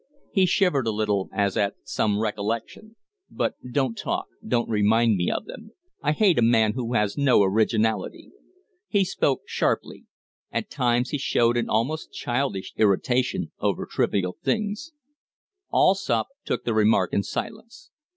He shivered a little as at some recollection. "But don't talk don't remind me of them. I hate a man who has no originality." He spoke sharply. At times he showed an almost childish irritation over trivial things. Allsopp took the remark in silence.